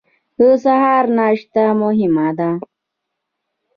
د سهار ناشته مهمه ده